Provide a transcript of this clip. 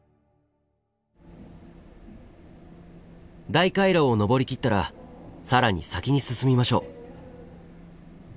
大回廊を上りきったら更に先に進みましょう。